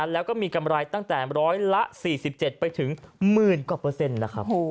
แล้วก็มีกำไรตั้งแต่ร้อยละ๔๗ไปถึงหมื่นกว่าเปอร์เซ็นต์นะครับ